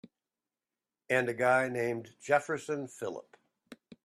And a guy named Jefferson Phillip.